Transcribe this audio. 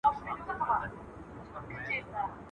o د بادار باداري ځي، د مزدور مزدوري نه ځي.